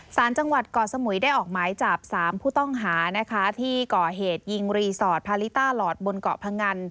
สารจังหวัดเกาะสมุยได้ออกหมายจับ๓ผู้ต้องหานะคะที่ก่อเหตุยิงรีสอร์ทพาลิต้าหลอดบนเกาะพงัน